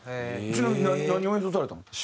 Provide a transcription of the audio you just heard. ちなみに何を演奏されたの？